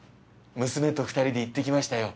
娘と２人で行ってきましたよ